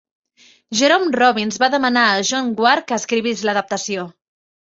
Jerome Robbins va demanar a John Guare que escrivís l'adaptació.